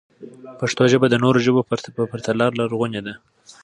پښتو ژبه د نورو ژبو په پرتله لرغونې ده.